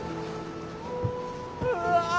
うわ！